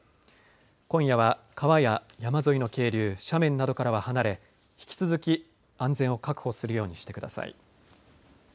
今夜は、川や山沿いの渓流、斜面などから離れ引き続き安全を確保するようにしてください。